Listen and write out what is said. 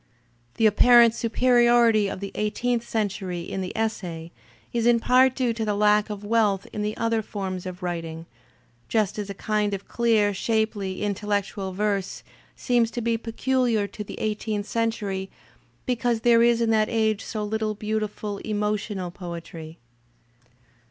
The apparent superiority of the eighteenth century in the essay is in part due to the lack of wealth in the other forms of writing, just as a kind of clear, shapely, intellectual verse seems to be peculiar to the eigh teenth century because there is in that age so little beautiful emotional poetry.